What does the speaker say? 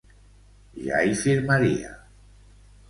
Ja hi firmaria!